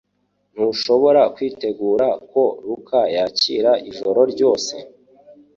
Ntushobora kwitega ko Luka yakira ijoro ryose